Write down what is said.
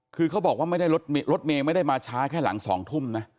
คือเขาบอกว่าไม่ได้รถเมย์ไม่ได้มาช้าแค่หลัง๒ทุ่มนะ